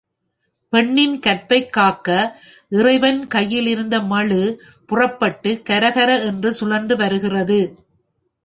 பெண்ணின் கற்பைக் காக்க, இறைவன் கையிலிருந்த மழு புறப்பட்டுக் கரகர என்று சுழன்று வருகிறது.